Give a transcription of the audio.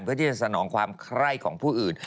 เพื่อที่จะสนองความไคร้ของผู้อื่น